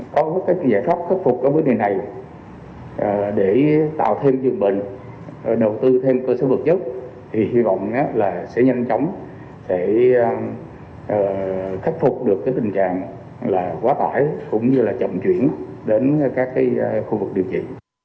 chúng tôi hy vọng sẽ nhanh chóng khắc phục được tình trạng quá tải cũng như chậm chuyển đến các khu vực điều trị